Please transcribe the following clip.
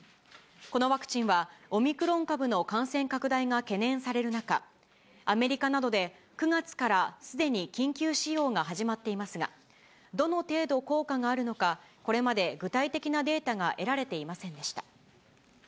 このワクチンは、オミクロン株の感染拡大が懸念される中、アメリカなどで、９月からすでに緊急使用が始まっていますが、どの程度効果があるのか、これまで具体的なデータが得られていませんでした。